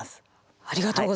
ありがとうございます。